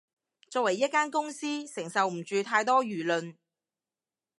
作為一間公司，承受唔住太多輿論